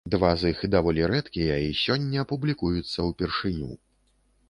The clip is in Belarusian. Два з іх даволі рэдкія і сёння публікуюцца ўпершыню.